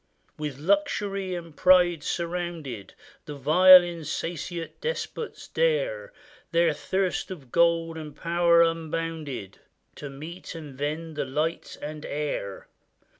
With luxury and pride surrounded, The vile insatiate despots dare, Their thirst of gold and power unbounded, To mete and vend the light and air